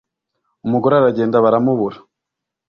umugore aragenda baramubura.